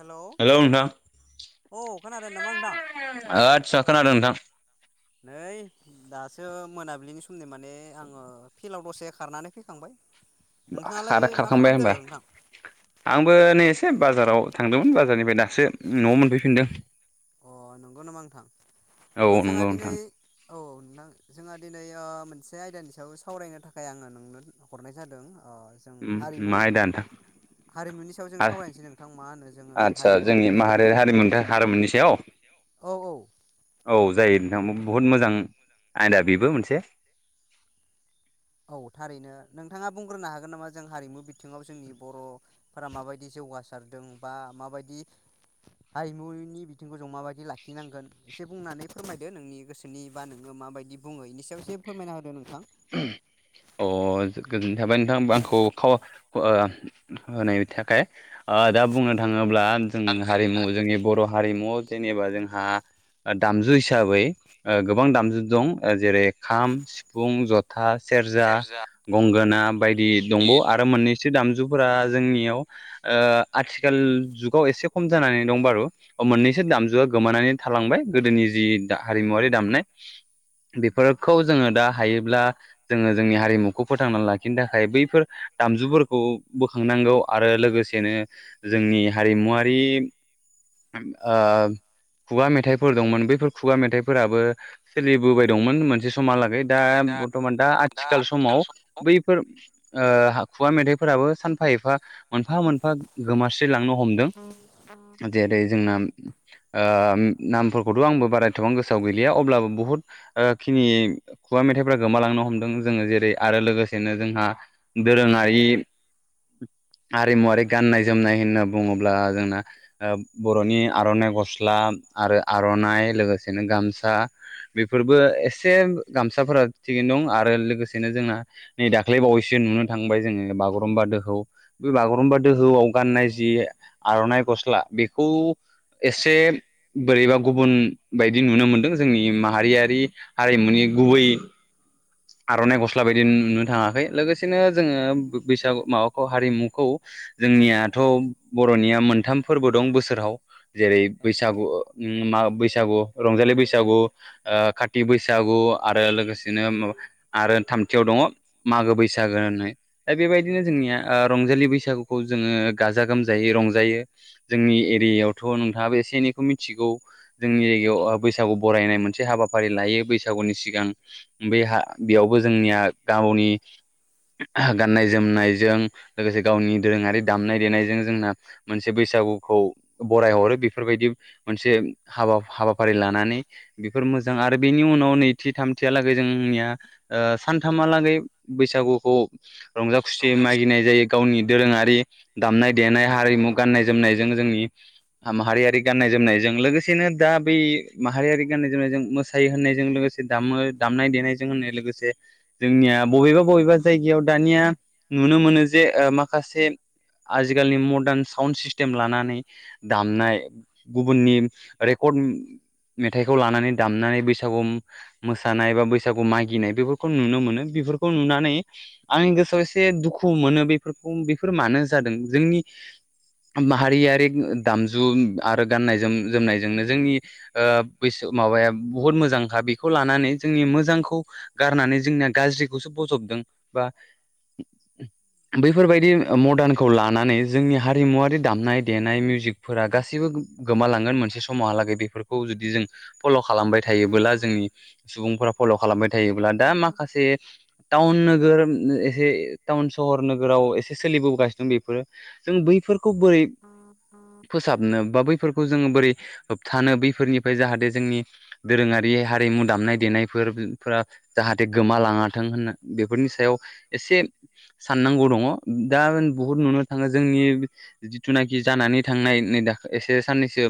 हेल hello नोंथां औ खोनादों नामा नोंथां ओ आदसा खोनादों नोंथां नै दासो मोनाबिलिनि स - माने आंङो फिलाव दसे खारनानै फैखांबाय नोंथाङालाय खार मा खारखांबाय खालामदों होमबा नोंथां आंबो नै एसे बाजाराव थांदोंमोन बाजारनिफ्राय दासो नआव मोनफैफिनदों अ नंगौ नामा नोंथां औ अ जोंहा नंगौ दिनै नोंथां औ नोथां जोंहा दिनै ओ मोनसे आयदानि सायाव सावरायनो थाखाय आङो नोंनो हरनाय जादों ओ जों उम हारिमु मा आयदा नोंथां हारिमुनि सायाव जों हा सावरायनोसै नोंथां मा होनो जोङो आदसा हारिमु जोंनि बिथिङाव माहारि हारिम हारिमुनि सायाव औ औ औ जायो बुहुत मोजां आयदा बेबो मोनसे औ थारैनो नोंथाङा बुंग्रोनो हागोन नामा जों हारिमु बिथिङाव जोंनि बरफोरा माबायदि जौगासारदों बा माबायदि हारिमुनि बिथिंखौ जों माबायदि लाखिनांगोन एसे बुंनानै फोरमायदो नोंनि गोसोनि बा नोङो माबायदि बुङो बेनि सायाव एसे फोरमायना होदो नोंथां अ गोजोननाय थाबाय नोंथां आंखौ खाव ओ होनायनि थाखाय ओ दा बुंनो थाङो थाङोब्ला जों हारिमु जोंनि बर हारिमु जेनेबा जोंहा दामजु हिसाबै ओ गोबां दामजु दं जेरै खाम सिफुं जथ थां सेरजा गंगोना बायदि दंबावो आरो मोननैसो दामजु फोरा जोंनियाव ओ आथिखाल जुगाव एसे खम जानानै दं बारु मोननैसो दामजुआ गोमानानै थालांबाय गोदोनि जि हारिमुवरारि दामनाय बेफोरखौ जोङो दा हायोब्ला जोङो जोंनि हारिमुखौ फोथांना लाखिनो थाखाय बैफोर दामजुफोरखौ बोखांनांगौ आरो लोगोसेनो जोंनि हारिमुवारि ओ खुगा मेथाइफोर दंमोन बैफोर खुगा मेथाइफोराबो सोलिबोबाय दंमोन मोनसे समहालागै दा दा आथिखाल समाव बैफोर ओ खुवा मेथाइफोराबो सानफा एफा मोनफा मोनफा गोमास्रिलांनो हमदों जेरै जोंना ओ नामफोरखौथ' आंबो बारा एथ'बां गोसोआव गैलिया अब्लाबो बुहुत खिनि खुगा मेथाइफ्रा गोमालांनो हमदों जोङो जेरै आरो लोगोसेनो जोंहा दोरोङारि हारिमुवारि गाननाय जोमनाय होनना बुङोब्ला जोंना बर'नि आर'नाइ गस्ला आरो आर'नाइ लोगोसेनो गामसा बेफोरबो एसे गामसाफोरा थिगैनो दं आरो लोगोसेनो जोंना नै दाख्लै बावैसो नुनो थांबाय जोङो बागुरुम्बा दोखौ बे बागुरुम्बा दोहौआव गाननाय जि आर'नाइ गस्ला बेखौ एसे बोरैबा गुबुन बायदि नुनो मोनदों जोंनि माहारियारि हारिमुनि गुबै आर'नाइ गस्ला बायदि नुनो थाङाखै लोगोसेनो जोङो बैसागु माबाखौ हारिमुखौ औ जोंनियाथ' बर'निया मोनथाम फोरबो दं बोसोराव जेरै बैसागु बैसागु रंजालि बैसागु ओ काथि बैसागु आरो लोगोसेनो माबा आरो थामथियाव दङ मागो बैसागो होननाय दा बेबायदिनो जोंनिया उह रंजालि बैसागुखौ जोङो गाजा गोमजायै रंजायो जोंनि एरियायावथ' नोंथाङाबो एसे एनैखौ मिथिगौ। जोंनि औ जायगायाव ओह बैसागु बरायनाय मोनसे हाबाफारि लायो बैसागुनि सिगां बे हा बेयावबो जोंनिया गावनि गाननाय जोमनायजों लोगोसे गावनि दोरोङारि दामनाय देनायजों जोंना मोनसे बैसागुखौ बरायहरो बेफोरबायदि मोनसे हाबा हाबाफारि लानानै बेफोर मोजां आरो बेनि उनाव नैथि थामथियालागै जोंनिया ओह सानथामहालागै बैसागुखौ रंजा खुसियै मागिनाय जायो गावनि दोरोङारि दामनाय देनाय हारिमु गाननाय जोमनायजों जोंनि माहारियारि गाननाय जोमनायजों लोगोसेनो दा बै माहारियारि गाननाय जोमनायजों मोसायो होननायजों लोगोसे दामो दामनाय देनाय जों लोगोसे जोंनिया बबेबा बबेबा जायगायाव दानिया नुनो मोनो जे ओ माखासे आजिखालिनि मदार्न साउड सिस्टेम लानानै दामनाय गुबुननि रेकर्ड मेथाइखौ लानानै दामनानै बैसागु मोसानाय बा [unintelligible] बैसागु मागिनाय बेफोरखौ नुनो मोनो बेफोरखौ नुनानै आंनि गोसोआव एसे दुखु मोनो बेफोरखौ बेफोर मानो जादों जोंनि माहारियारि दामजु आरो गाननाय जोम जोमनायजोंनो जोंनि ओ बैस माबाया बुहुत मोजांखा बेखौ लानानै जोंनि मोजांखौ गारनानै जोंनिया गाज्रिखौसो बज'बदों बा बैफोरबायदि मदार्नखौ लानानै जोंनि हारिमुवारि दामनाय देनाय मिउजिकफोरा गासैबो गोमालांगोन मोनसे समावहालागै बेफोरखौ जुदि जों फल' खालामबाय थायोबोला जोंनि सुबुंफोरा फल' खालामबाय थायोब्ला दा माखासे टाउन नोगोर एसे टाउन सहर नोगोराव एसे सोलिबोगासिनो दं बेफोरो जों बैफोर खौ बोरै फोसाबनो बा बैफोरखौ जोङो बोरै होबथानो बैफोरनिफ्राय जाहाथे जोंनि दोरोङारि हारिमु दामनाय देनाय बे फोरबो फोरा जाहाथे गोमालाङाथों होनना बेफोरनि सायाव एसे साननांगौ दङ दा बुहुत नुनो थाङो जोंनि जिथुनाखि जानानै थांनाय नै दाखालैसो‌ साननैसो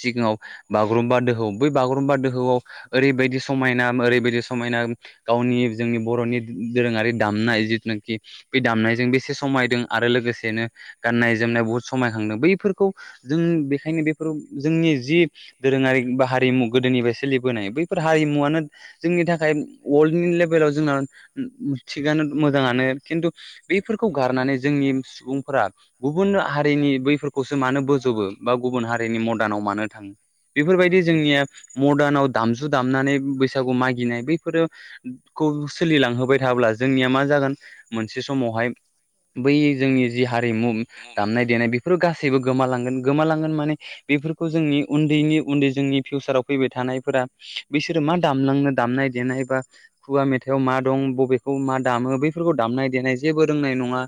सिगाङाव बागुरुमबा दोहौ बै बागुरुमबा दोहौआव ओरैबायदि समायना ओरैबायदि समायना गावनि जोंनि बर'नि दोरोङारि दामनाय जिथुनाखि बे दामनायजों बेसे समायदों आरो लोगोसेनो गाननाय जोमनाय बहुद समायखांदों बैफोरखौ जों बेखायनो बेफोर जोंनि जि दोरोङारि बा हारिमु गोदोनिफ्राय सोलिबोनाय बैफोर हारिमुवानो जोंनि थाखाय वोर्ल्दनि लेभेलाव जोंना थिगानो मोजाङानो खिन्थु बेफोरखौ गारनानै जोंनि सुबुंफोरा गुबुन हारिनि बैफोरखौसो मानो बोज'बो बा गुबुन हारिनि मडार्नाव मानो थाङो बेफोरबायदि जोंनिया मडार्नाव दामजु दामनानै बैसागु मागिनाय बैफोरो खौ सोलिलांहोबाय थाब्ला जोंनिया मा जागोन मोनसे समावहाय बै जोंनि जि हारिमु दामनाय देनाय बेफोर गासैबो गोमालांगोन गोमालांगोन माने बेफोरखो जोंनि उन्दैनि उन्दै जोंनि फिउसाराव फैबायथानाय फोरा बैसोरो मा दामलांनो दामनाय देनाय बा खुवा मेथाइआव मा दं बबेखौ मा दामो बैफोरखौ दामनाय देनाय जेबो रोंनाय नङा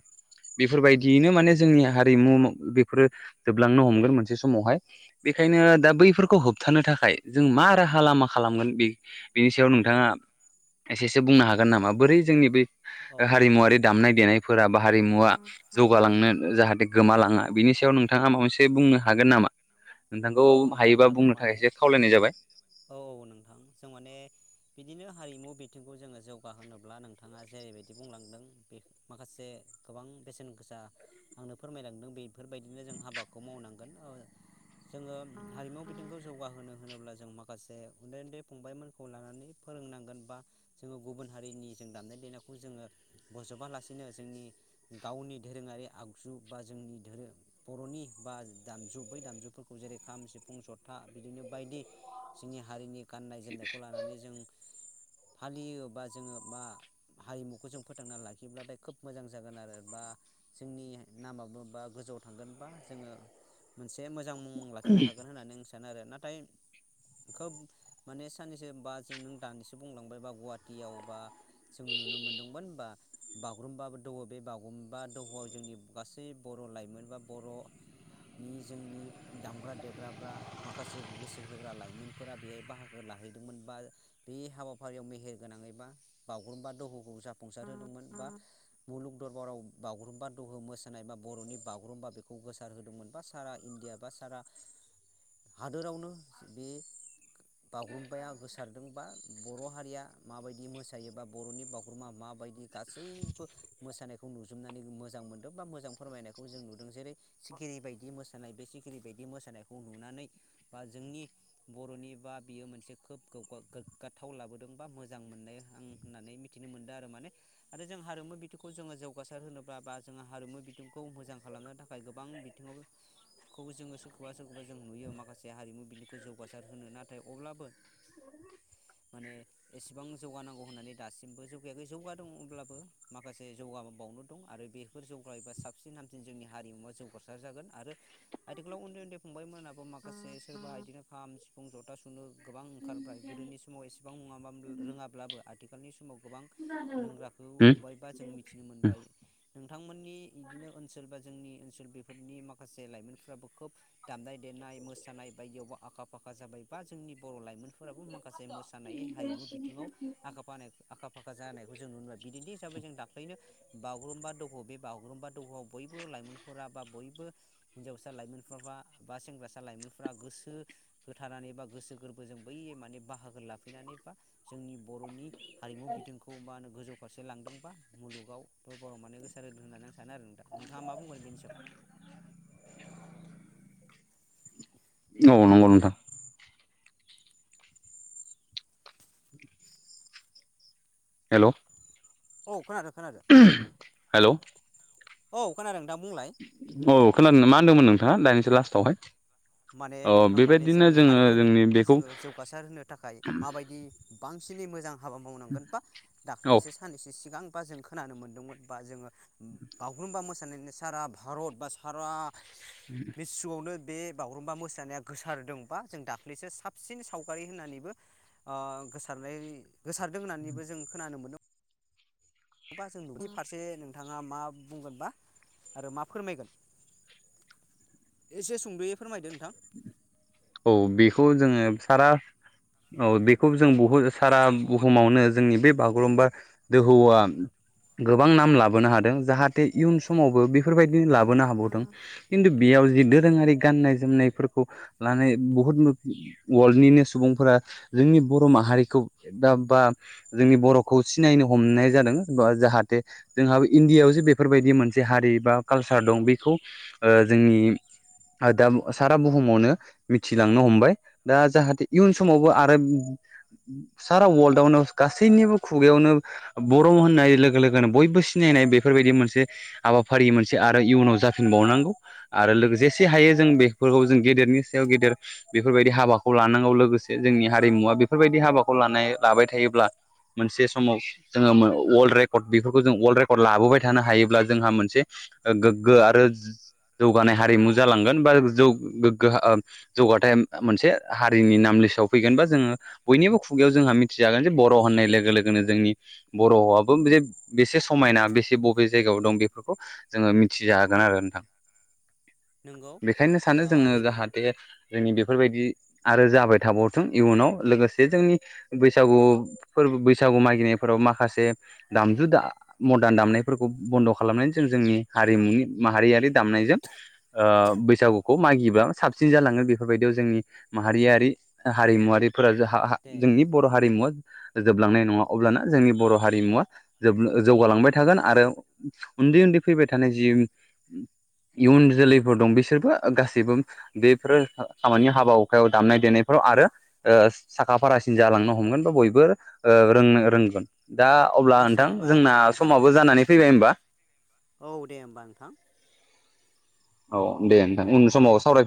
बेफोरबायदियैनो माने जोंनि हारिमु बेफोरो जोबलांनो हमगोन मोनसे समावहाय बेखायनोदा बैफोरखौ होबथानो थाखाय जों मा राहा राहा लामा खालामगोन बे बिनि सायाव नोंथाङा एसेसो बुंनो हागोन नामा बोरै जोंनि बै औ ओह हारिमुवारि दामनाय देनाय फोरा बा हारिमुवा जौगालांनो जाहाथे गोमालाङा बिनि सायाव नोंथाङा माबामोनसे बुंनो हागोन नामा? नोंथांखौ औ नोंथां हायोबा हागोन बुंनो थाखाय माने एसे खावलायनाय जाबाय। औ औ नोंथां जोंमाने बिदिनो हारिमु बिथिंखौ जोङो जौगाहोनोब्ला नोंथाङा जेरैबायदि बुंलांदों बे माखासे गोबां बेसेनगोसा आंनो फोरमायलांदों बेफोरबायदिनो जों हाबाखौ मावनांगोन जोङो हारिमु बिथिंखौ जौगाहोनो होनोब्ला जों मा माखासे उन्दै उन्दै फंबायमोनखौ लानानै फोरोंनांगोन बा जोङो गुबुन हारिनि जों दामनाय देनायखौ जोङो बजबालासेनो जोंनि गावनि दोरोङारि आगजु बा जोंनि धोरोम बर'नि बा दामजु बै दामजुफोरखौ जेरै खाम सिफुं जथा बिदिनो बायदि जोंनि हारिनि गाननाय जोमनायखौ लानानै जों फालियोबा जोङो बा हारिमुखो जों फोथांना लाखियोब्लाथाय खोब मोजां जागोन आरो बा जोंनि नामाबो बा गोजौआव थांगोनबा बा जोङो मोनस एसे मोजां मुं लाखिनो हागोन होननानै आं सा जानो आरो नाथाय खोब माने साननैसो बा जों नों दानिसो बुंलांबाय बा गुवाटियाव बा जों नुनो मोनदोंमोन बा बागुरुम्बा दोहौ बे बागुरुम्बा दोहौआव जोंनि गासै बर' लाइमोन बा बर'नि जोंनि दामग्रा देग्राफ्रा माखासे गोसोहोग्रा लाइमोन। मोनफोरा बेहाय बाहागो लाहैदोंमोन बा बे हाबाफारियाव मेहेरगोनाङै बा बागुरुम्बा दोहौखौ जाफुंसार होदोंमोन बा मुलुग दरबाराव बागुरुम्बा दहौ मोसानाय बा बर'नि बागुरुम्बा बेखौ गोसार होदोंमोन बा सारा इण्डिया बा सारा हादोरावनो बे बागुरुम्बाया गोसारदों बा बर' हारिया माबायदि मोसायो बा बर'नि बागुरुमा माबायदि गासैबो मोसानायखौ नुजोबनानै मोजांमोनदों बा मोजां फोरमायनायखौ जों नुदों जेरै सिखिरि बायदि मोसानाय बे सिखिरि बायदि मोसानायखौ नुनानै बा जोंनि बर'नि बा बियो मोनसे खोब गोग्गा गोग्गाथाव लाबोदों बा मोजां मोननाय आं होननानै मिथिनो मोनदों आरो माने आरोजों हारिमु बिथिंखौ जोङो जौगासार होनोब्ला बा जोङो हारिमु बिथिंखौ मोजां खालामनो थाखाय गोबां बिथिङावखौ जोङो सोरखौबा सोरखौबा जों नुयो माखासे हारिमु बिनिख जौगासारहोनो नाथाय अब्लाबो माने एसेबां जौगानांगौ होननानै दासिमबो जौगायाखै जौगादों अब्लाबो माखासे जौगाबावनो दं आरो बेफोर जौगायोबा साबसिन हामसिन जोंनि हारिमुवा जौगासार जागोन आरो आथिखालाव उन्दै उन्दै फंबायमोनाबो माखासे सोरबा इदिनो खाम, सिफुं, जथा सुनो गोबां ओंखारबाय गोदोनि समाव एसेबां नङा बाम रोङाब्लाबो आथिखालनि समाव गोबां रोंग्राखौ नुबायबा बा जों मिथिनो मोनबाय। नोंथांमोननि इदिनो ओनसोल बा जोंनि ओनसोल बेफोरनि माखासे लाइमोनफ्राबो खोब दामनाय-देनाय मोसानाय बायदियावबो आखाफ फाखा जाबाया बा जोंनि बर' लाइमोन फोराबो माखासे मोसानाय हारिमु बिथिङाव आखा-फानाय आखा-फाखा जानायखौ जों नुनो मोनबाय बिदिन्थि हिसाबै जों दाख्लैनो बागुरुम्बा दहौ बे बागुरुम्बा दहौआव बयबो लाइमोनफोरा बा बयबो हिनजावसा लाइमोनफोर बा सेंग्रासा लाइमोनफोरा गोसो होथानानै बा गोसो गोरबोजों बै माने बाहागो लाफैनानै बा जोंनि बर'नि हारिमु बिथिंखौ माहोनो गोजौ। फारसे लांदों बा मुलुगाव दरबाराव माने गोसार होदों होननानै आं सानो आरो नोंथां नोंथाङा माबुंगोन बेनि सायाव? औ नंगौ नोंथां। हेलौ। औ खोनादों। खोनादों उम्ह हेलौ। औ खोनादों। नोंथां बुंलाय औ खोनादोना माहोनदोमोन नों? हा दानिसो लास्टआवहाय। माने नोंथां माने जोंनि हारिमु जोंनि बिथिंखौ बेखौ जोङो जौगासार होनो थाखाय माबायदि बां सिनि मोजां हाबा मावनांगोन बा औ दाख्लैसो साननैसो सिगां बा जों खोनानो मोनदोंमोन बा जोङो बागुरुम्बा मोसानाय सारा भारत बा सारा बे सुवावनो बे बागुरुम्बा मोसानाया गोसारदों बा जों दाख्लैसो साबसिन सावगारि होननानैबो ओ गोसारनाय गोसारदों होन्नानैबो जों खोनानो मोन्दों। बा जों नु फारसे नोंथाङा मा बुंगोनबा आरो मा फोरमायगोन? एसे सुंद'यै फोरमायदो नोंथां। औ बेखौ जोङो सारा औ बेखौ जों बुहु सारा जों बहुद बुहुमावनो जोंनि बे बा गुरुमबा दोहौआ गोबां नाम लाबोनो हादों जाहाथे इयुन समावबो बे फोरबायदिनो लाबोनो हाबावदों खिन्थु बेयाव जि दोरोङारि गाननाय जोमनायफोरखौ लानाय बुहुत अवल्डनिनो सुबुंफोरा जोंनि बर' माहारिखौ दा बा जोंनि बर'खौ सिनायनो हमनाय जादों जाहाथे जोंहाबो इण्डियायावजे बेफोरबायदि मोनसे हारि बा कालसार दं बेखौ ओ जोंनि दा सारा बुहुमावनो मिथिलांनो हमबाय दा जाहाथे इयुन समावबो आरो सारा वर्ल्डआवनो गासैनिबो खुगायावनो बर' होननाय लोगो लोगोनो बयबो सिनायनाय बेफोरबायदि मोनसे हाबाफारि मोनसे आरो इयुनाव जाफिनबावनांगौ आरो लोगोसे जेसे हायो जों बेफोरखौ जों गेदेरनि सायाव गेदेर बेफोरबायदि हाबाखौ लानांगौ लोगोसे जोंनि हारिमुवा बेफोरबायदि हाबाखौ लानाय लाबाय थायोब्ला मोनसे समाव जोङो वर्ल्ड रेकर्ड बेफोरखौ जों वर्ल्ड रेकर्ड लाबोबाय थानो हायोब्ला जोंहा मोनसे गोग्गो आरो जौगानाय हारिमु जालांगोन बा जौ गोग्गो जौगाथाय मोनसे हारिनि नाम लिसआव फैगोन बा जोङो बयनिबो खुगायाव जोंहा मिथिजागोन जे बर' होननाय लोगो लोगोनो जोंनि बर'आबो जे बेसे समायना बेसे बबे जायगायाव दं बेफोरखौ जोङो मिथिजागोन आरो नोंथां। नंगौ बेखायनो सानो ओ जोङो बेखि जाहा जोंनि बेफोरबायदि आरो जाबाय थाबावथों इयुनाव लोगोसे जोंनि बैसागु फोरबो बैसागु मागिनायफोराव माखासे दामजु मदार्न दामनायफोरखौ बन्द' खालामनानै जों जोंनि हारिमुनि माहारियारि दामनायजों बैसागुखौ मागिब्ला साबसि सिन जालाङो बेफोरबायदियाव जोंनि माहारियारि हारिमुवारि फोरा जा हा हा जोंनि बर' हारिमुवा। जोबलांनाय नङा अब्लाना जोंनि बर' हारिमुवा जोब जौगालांबाय थागोन आरो उन्दै उन्दै फैबाय थानाय जि इयुन जोलैफोर दं बिसोरबो गासैबो बेफोरो खामानि हाबा हुखायाव दामनाय देनायफ्राव आरो साखा फारासिन जालांनो हमगोन बा बयबो रोंनो रोंगोन दा अब्ला नोंथां जासिगोन होमबा जोंना नोंथां समाबो जानानै फैबाय होमबा। औ दे होमबा नोंथां। औ दे नोंथां उन समाव सावराय